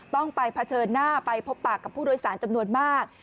ต้องไปเผชิญหน้าไปพบปากกับผู้โดยสารจำนวนมาก